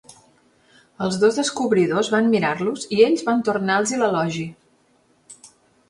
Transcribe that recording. Els dos descobridors van mirar-los i ells van tornar-els-hi l'elogi.